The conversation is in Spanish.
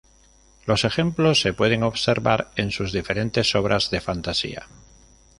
Los ejemplos se pueden observar en sus diferentes obras de fantasía.